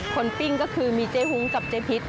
ปิ้งก็คือมีเจ๊หุ้งกับเจ๊พิษ